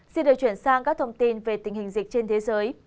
xin được chuyển sang các thông tin về tình hình dịch trên thế giới